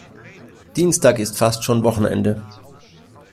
Dienstag ist fast schon Wochenende.